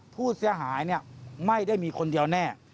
ผู้เสียหายไม่ได้มีคนเดียวแน่